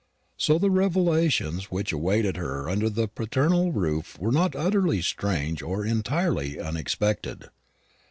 So the revelations which awaited her under the paternal roof were not utterly strange or entirely unexpected.